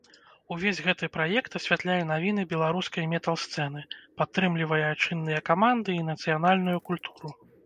Увесь гэты час праект асвятляе навіны беларускай метал-сцэны, падтрымлівае айчынныя каманды і нацыянальную культуру.